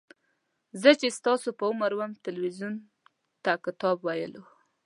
زه چې ستاسو په عمر وم تلویزیون ته کتاب ویلو.